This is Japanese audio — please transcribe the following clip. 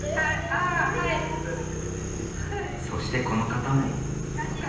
そしてこの方も。